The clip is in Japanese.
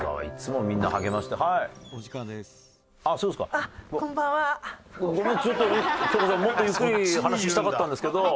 もっとゆっくり話ししたかったんですけど。